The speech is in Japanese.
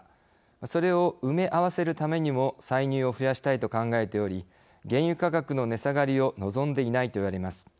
それを埋め合わせるためにも歳入を増やしたいと考えており原油価格の値下がりを望んでいないといわれます。